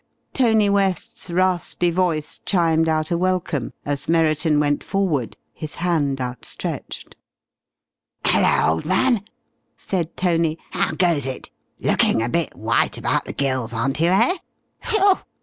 Tony West's raspy voice chimed out a welcome, as Merriton went forward, his hand outstretched. "Hello, old man!" said Tony. "How goes it? Lookin' a bit white about the gills, aren't you, eh?... Whew!